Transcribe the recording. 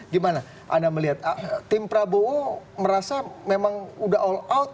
gimana anda melihat tim prabowo merasa memang udah all out